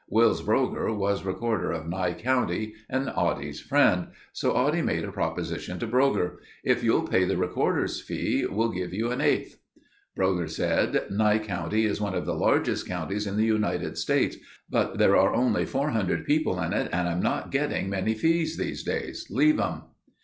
Wils Brougher was recorder of Nye county and Oddie's friend, so Oddie made a proposition to Brougher. "If you'll pay the recorder's fees we'll give you an eighth." Brougher said, "Nye county is one of the largest counties in the United States, but there are only 400 people in it and I'm not getting many fees these days. Leave 'em."